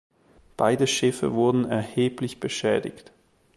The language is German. Beide Schiffe wurden erheblich beschädigt.